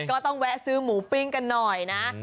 แวะซื้อหมูปิ้งกันหน่อยนะ